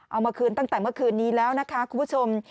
เอามาคืนตั้งแต่เมื่อคืนนี้แล้วนะคะคุณผู้ชม